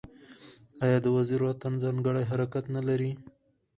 آیا د وزیرو اتن ځانګړی حرکت نلري؟